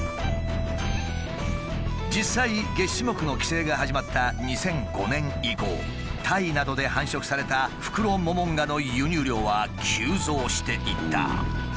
実際げっ歯目の規制が始まった２００５年以降タイなどで繁殖されたフクロモモンガの輸入量は急増していった。